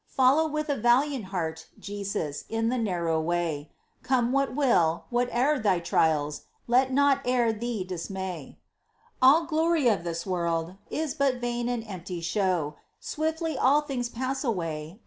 Follow with a valiant heart Jesus, in the narrow way ; Come what will, whate'er thy trials, Let naught ever thee dismay. All the glory of this world Is but vain and empty show ; Swiftly all things pass away.